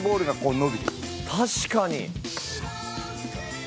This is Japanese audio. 確かに！